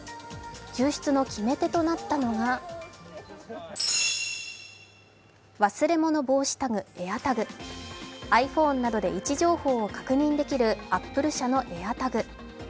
救出の決め手となったのがｉＰｈｏｎｅなどで位置情報を確認できるアップル社のＡｉｒＴａｇ。